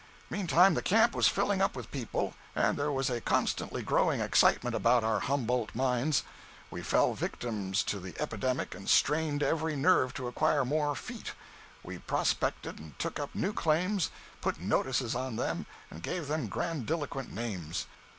Meantime the camp was filling up with people, and there was a constantly growing excitement about our Humboldt mines. We fell victims to the epidemic and strained every nerve to acquire more "feet." We prospected and took up new claims, put "notices" on them and gave them grandiloquent names.